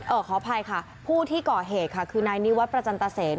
เอ่อขอวัพพลัยคะผู้ที่ก่อเหตุค่ะคือไหนนิวัฒน์ประจันตะเสน